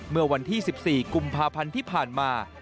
เมื่อวันที่๑๔กุมภาพันธ์ที่ผ่านมา